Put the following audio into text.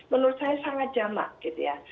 menurut saya sangat jamak